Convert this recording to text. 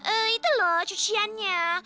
eh itu loh cuciannya